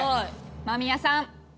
間宮さん